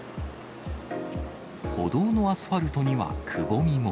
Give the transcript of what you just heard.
歩道のアスファルトにはくぼみも。